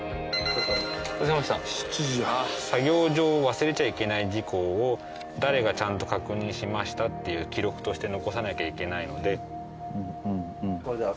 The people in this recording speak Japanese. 作業上忘れちゃいけない事項を誰がちゃんと確認しましたっていう記録として残さなきゃいけないので。